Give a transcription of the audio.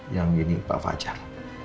yang ini pak fajar